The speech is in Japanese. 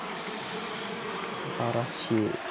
すばらしい。